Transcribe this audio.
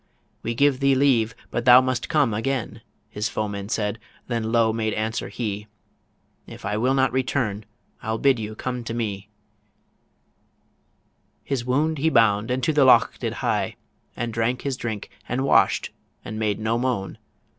"We give thee leave, but thou must come again," His foemen said; then low made answer he, "If I will not return, I'll bid you come to me" His wound he bound, and to the loch did hie, And drank his drink, and wash'd, and made no moan.